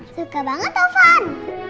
suka banget ovan